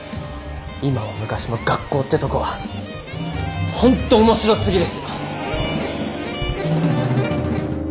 今も昔も学校ってとこは本当面白すぎですよ。